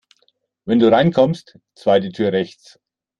Wenn du reinkommst, zweite Tür rechts.